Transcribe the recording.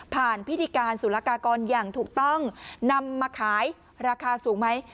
พิธีการสุรกากรอย่างถูกต้องนำมาขายราคาสูงไหม